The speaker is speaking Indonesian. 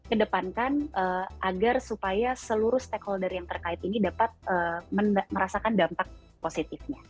kedepankan agar supaya seluruh stakeholder yang terkait ini dapat merasakan dampak positifnya